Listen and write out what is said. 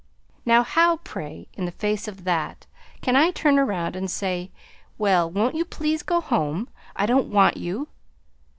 Now how, pray, in the face of that, can I turn around and say 'Well, won't you please go home; I don't want you'?